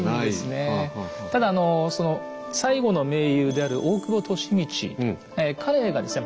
ただその西郷の盟友である大久保利通彼がですね